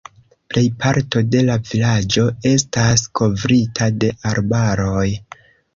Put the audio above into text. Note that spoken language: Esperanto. Plejparto de la vilaĝo estas kovrita de arbaroj.